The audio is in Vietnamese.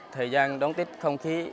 thời gian đón tết không khí